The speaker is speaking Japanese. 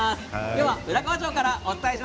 今日は浦河町から。